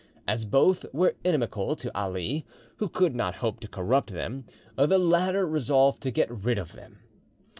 As both were inimical to Ali, who could not hope to corrupt them, the latter resolved to get rid of them.